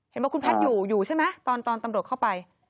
เห็นว่าคุณแพทย์อยู่ใช่ไหมตอนตำรวจเข้าไป